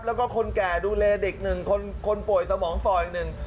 แล้วก็คนแก่ดูแลเด็กหนึ่งคนคนป่วยสมองซอยหนึ่ง